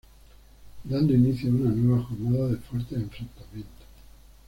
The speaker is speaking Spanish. Dando inicio a una nueva jornada de fuertes enfrentamientos.